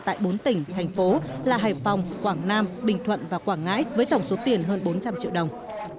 tại bốn tỉnh thành phố là hải phòng quảng nam bình thuận và quảng ngãi với tổng số tiền hơn bốn trăm linh triệu đồng